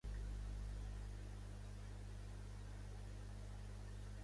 Quin era el rol de Cleòmenes I?